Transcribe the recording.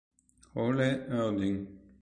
Oleh Rodin